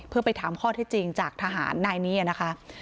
เพื่อไปถามข้อที่จริงจากทหารนายนี้นะคะ